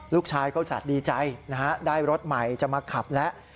ลูกชายเขาสัดดีใจได้รถใหม่จะมาขับแล้ว